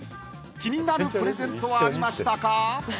気になるプレゼントはありましたか？